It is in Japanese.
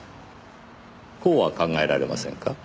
こうは考えられませんか？